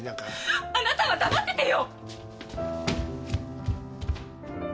あなたは黙っててよ！